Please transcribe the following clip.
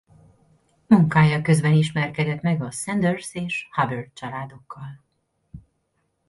Munkája közben ismerkedett meg a Sanders és Hubbard családokkal.